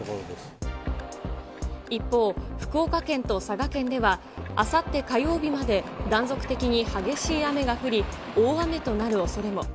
一方、福岡県と佐賀県では、あさって火曜日まで断続的に激しい雨が降り、大雨となるおそれも。